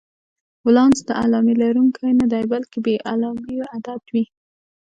ولانس د علامې لرونکی نه دی، بلکې بې علامې عدد وي.